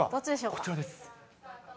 こちらです。